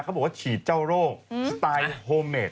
เขาบอกว่าฉีดเจ้าโรคสไตล์โฮเมด